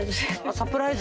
サプライズ？